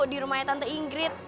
di rumahnya tante ingrid